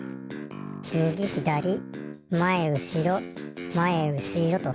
みぎひだりまえうしろまえうしろと。